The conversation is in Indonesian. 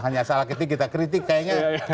hanya salah kritik kita kritik kayaknya